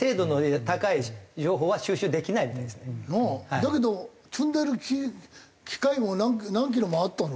だけど積んでる機械も何キロもあったの？